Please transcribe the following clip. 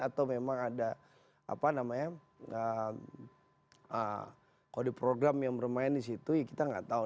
atau memang ada kode program yang bermain di situ